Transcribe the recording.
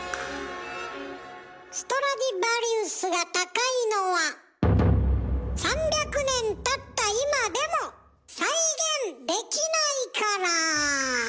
ストラディヴァリウスが高いのは３００年たった今でも再現できないから。